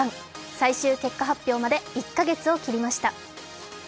最終結果発表まで１か月を切りました。